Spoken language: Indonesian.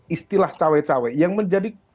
istilah cewek cewek yang menjadi